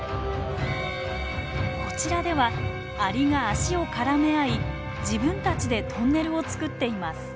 こちらではアリが脚を絡め合い自分たちでトンネルを作っています。